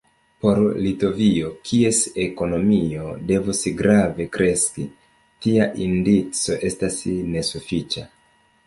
Por Litovio, kies ekonomio devus grave kreski, tia indico estas nesufiĉa.